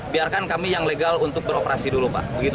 biarkan kami yang legal untuk beroperasi dulu pak